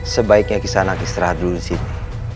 sebaiknya kisana kisrah dulu disini